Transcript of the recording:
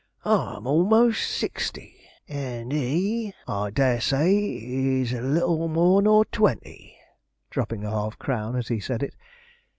'I'm a'most sixty; and he, I dare say, is little more nor twenty,' dropping a half crown as he said it.